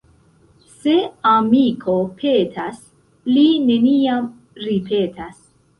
Se amiko petas, li neniam ripetas.